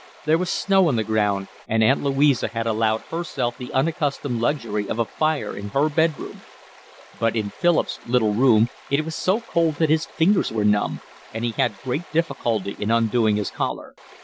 There was snow on the ground, and Aunt Louisa had allowed herself the unaccustomed luxury of a fire in her bed room; but in Philip's little room it was so cold that his fingers were numb, and he had great difficulty in undoing his collar.